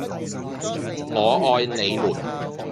我愛你們